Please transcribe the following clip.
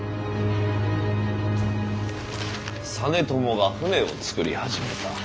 実朝が船をつくり始めた。